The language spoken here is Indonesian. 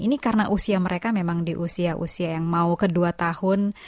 ini karena usia mereka memang di usia usia yang mau ke dua tahun